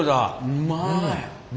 うまい。